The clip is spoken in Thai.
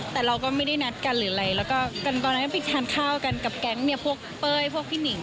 แต่เราก็ไม่ได้นัดกันหรืออะไรแล้วก็กันตอนนั้นไปทานข้าวกันกับแก๊งเนี่ยพวกเป้ยพวกพี่หนิง